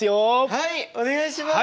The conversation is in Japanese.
はいお願いします！